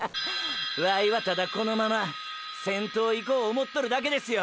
ワイはただこのまま先頭いこう思っとるだけですよ。